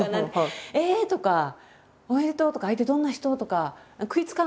「ええ！」とか「おめでとう！」とか「相手どんな人？」とか食いつかない？